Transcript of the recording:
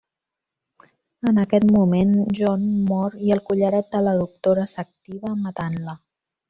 En aquest moment John mor i el collaret de la doctora s'activa, matant-la.